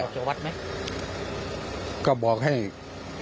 ตายเที่ยวตัววัดไหม